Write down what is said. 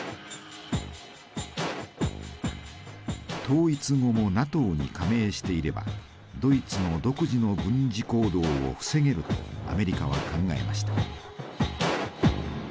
統一後もＮＡＴＯに加盟していればドイツの独自の軍事行動を防げるとアメリカは考えました。